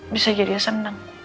bisa jadi seneng